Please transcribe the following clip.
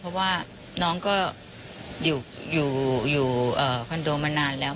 เพราะว่าน้องก็อยู่คอนโดมานานแล้ว